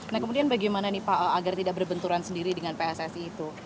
nah kemudian bagaimana nih pak agar tidak berbenturan sendiri dengan pssi itu